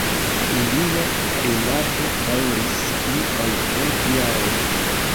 Ilia rilato daŭris pli ol dek jaroj.